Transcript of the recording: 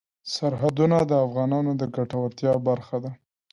سرحدونه د افغانانو د ګټورتیا برخه ده.